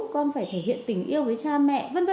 con phải thể hiện tình yêu với cha mẹ v v